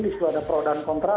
di situ ada pro dan kontra